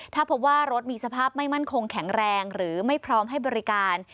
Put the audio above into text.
ถ้าพบว่ารถมีสภาพไม่มั่นคงแข็งแรงหรือไม่พร้อมให้บริการ